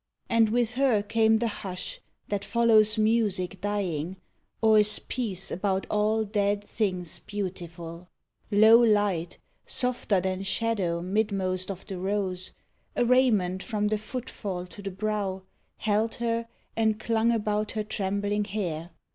And with her came the hush That follows music dying, or is peace About all dead things beautiful. Low light, Softer than shadow midmost of the rose, no THE SPIRIT OF BEAUTY. A raiment from the footfall to the brow, Held her, and clung about her trembling hair.